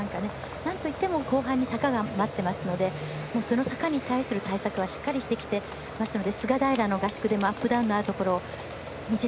なんといっても後半に坂が待ってますのでその坂に対する対策はしっかりしてきていますので菅平の合宿でもアップダウンがあるところ